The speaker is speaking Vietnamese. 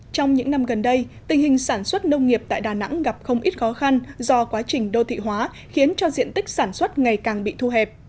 trong những năm gần đây tình hình sản xuất nông nghiệp tại đà nẵng gặp không ít khó khăn do quá trình đô thị hóa khiến cho diện tích sản xuất ngày càng bị thu hẹp